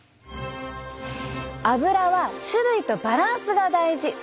アブラは種類とバランスが大事。